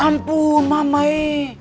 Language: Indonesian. ya ampun mama eh